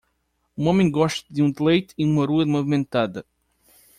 Um homem gosta de um deleite em uma rua movimentada.